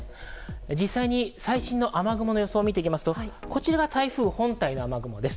実際に最新の雨雲の予想を見ますとこちらが台風本体の雨雲です。